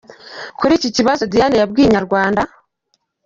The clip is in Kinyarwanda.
Kuri iki kibazo, Diane yabwiye inyarwanda.